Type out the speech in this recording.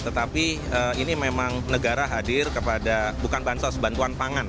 tetapi ini memang negara hadir kepada bukan bansos bantuan pangan